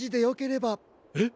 えっ？